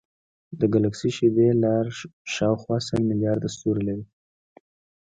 د ګلکسي شیدې لار شاوخوا سل ملیارده ستوري لري.